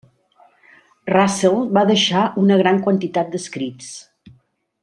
Russell va deixar una gran quantitat d'escrits.